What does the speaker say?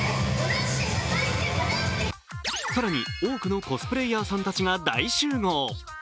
更に多くのコスプレーヤーさんたちが大集合。